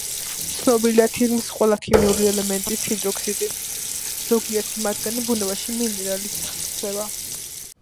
ცნობილია თითქმის ყველა ქიმიური ელემენტის ჰიდროქსიდი; ზოგიერთი მათგანი ბუნებაში მინერალის სახით გვხვდება.